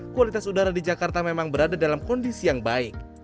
kualitas udara di jakarta memang berada dalam kondisi yang baik